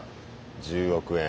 １０億円。